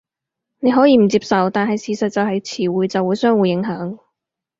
你可以唔接受，但係事實就係詞彙就會相互影響